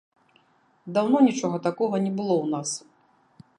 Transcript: Даўно нічога такога не было ў нас.